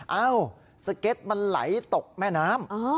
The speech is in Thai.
เอ้าสเก็ตมันไหลตกแม่น้ำ